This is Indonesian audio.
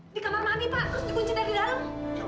di kamar mandi pak terus dikunci dari dalam